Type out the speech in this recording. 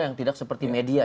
yang tidak seperti media